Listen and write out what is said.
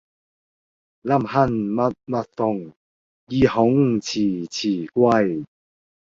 臨行密密縫，意恐遲遲歸。